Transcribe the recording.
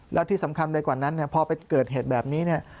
แล้วที่สำคัญด้วยกว่านั้นพอไปเกิดเหตุแบบนี้